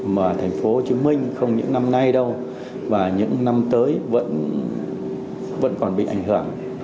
mà thành phố hồ chí minh không những năm nay đâu và những năm tới vẫn còn bị ảnh hưởng